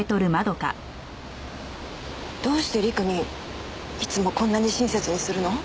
どうして陸にいつもこんなに親切にするの？